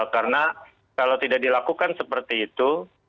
karena kalau tidak dilakukan seperti itu